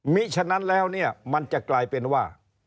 มีฉะนั้นแล้วเนี่ยมันจะกลายเป็นว่า